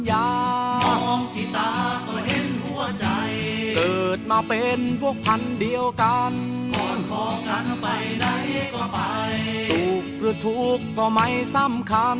อย่างที่ตาก็เห็นหัวใจเกิดมาเป็นพวกพันธุ์เดียวกันก่อนพอกันไปไหนก็ไปถูกหรือทุกข์ก็ไม่สำคัญ